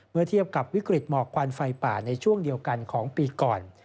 เมื่อเทียบกับวิกฤตหมอกควันไฟป่าในช่วงเดียวกันของปีก่อน